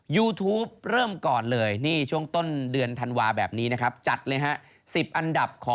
ยูทูปเริ่มก่อนเลยช่วงต้นเดือนธันวาแบบนี้นะครับ